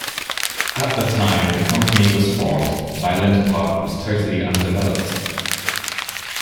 At the time the company was formed, Island Park was totally undeveloped.